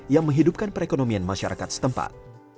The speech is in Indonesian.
yang menghidupkan perekonomian masyarakat setempat